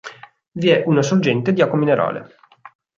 Vi è una sorgente di acqua minerale.